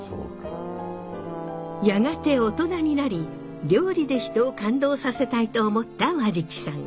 やがて大人になり料理で人を感動させたいと思った和食さん。